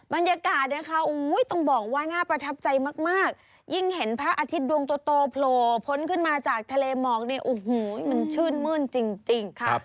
บรรยากาศนะคะต้องบอกว่าน่าประทับใจมากยิ่งเห็นพระอาทิตย์ดวงโตโผล่พ้นขึ้นมาจากทะเลหมอกนี่โอ้โหมันชื่นมื้นจริงค่ะ